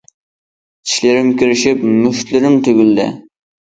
چىشلىرىم كىرىشىپ، مۇشتلىرىم تۈگۈلدى.